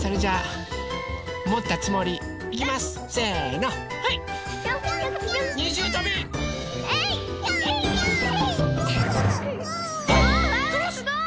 すごい！